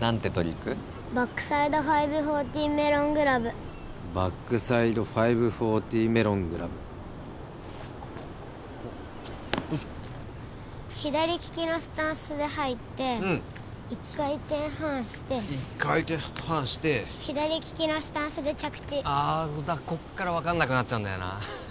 バックサイド５４０メロングラブバックサイド５４０メロングラブよいしょっ左利きのスタンスで入ってうん１回転半して１回転半して左利きのスタンスで着地ああだからこっから分かんなくなっちゃうんだよな